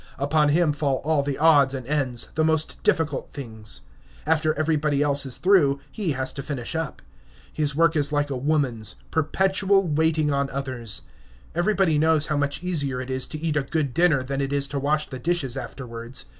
Upon him fall all the odds and ends, the most difficult things. After everybody else is through, he has to finish up. His work is like a woman's, perpetual waiting on others. Everybody knows how much easier it is to eat a good dinner than it is to wash the dishes afterwards.